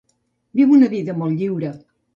Viu una vida molt lliure.